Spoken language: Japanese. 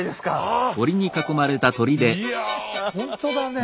⁉いやほんとだね。